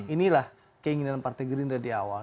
inilah keinginan partai gerindra di awal